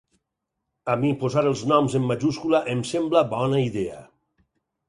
A mi posar els noms en majúscula em sembla bona idea.